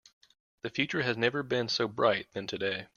The future has never been so bright than today.